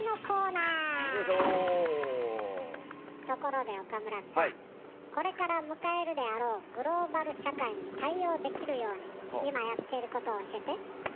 ところで岡村さあこれから迎えるであろうグローバル社会に対応できるように今やっていることを教えて？